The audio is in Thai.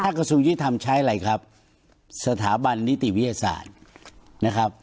กระทรวงยุทธรรมใช้อะไรครับสถาบันนิติวิทยาศาสตร์นะครับ